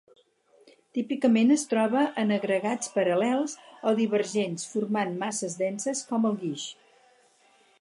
Típicament es troba en agregats paral·lels o divergents, formant masses denses com el guix.